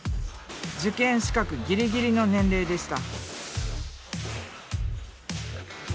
受験資格ギリギリの年齢でした。